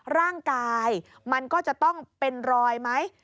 ร่างกายมันก็จะต้องเป็นรอยไหม